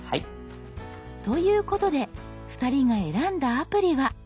ということで２人が選んだアプリは？